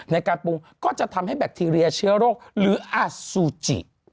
ในการปรุงก็จะทำให้แบคทีเรียเชื้อโรคหรืออสุจิ